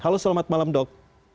halo selamat malam dok